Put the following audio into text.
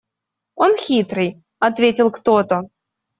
– Он хитрый, – ответил кто-то.